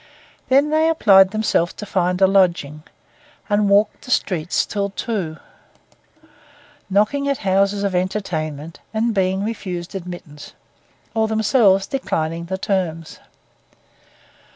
Then they applied themselves to find a lodging, and walked the streets till two, knocking at houses of entertainment and being refused admittance, or themselves declining the terms.